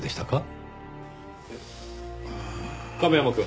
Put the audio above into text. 亀山くん。